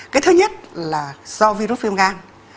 cái thứ nhất là do virus viêm gan